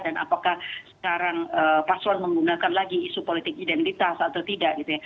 dan apakah sekarang paslon menggunakan lagi isu politik identitas atau tidak